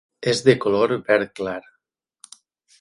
És de color verd clar.